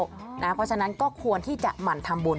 เพราะฉะนั้นก็ควรที่จะหมั่นทำบุญ